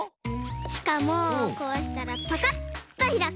しかもこうしたらパカッとひらく。